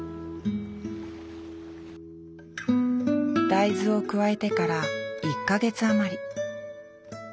大豆を加えてから１か月余り。